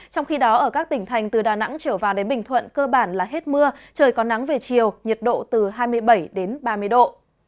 trong khi đó ở các tỉnh thành từ đà nẵng trở vào đến bình thuận cơ bản là hết mưa trời có nắng về chiều nhiệt độ từ hai mươi bảy đến ba mươi độ